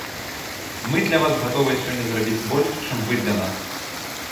Мы для вас гатовыя сёння зрабіць больш, чым вы для нас.